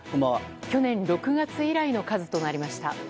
去年６月以来の数となりました。